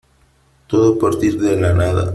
todo a partir de la nada .